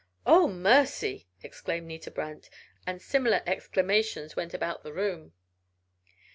"Oh! mercy!" exclaimed Nita Brant, and similar exclamations went about the room.